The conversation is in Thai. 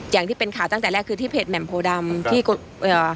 อย่างที่เป็นข่าวตั้งแต่แรกคือที่เพจแหม่มโพดำที่เอ่อ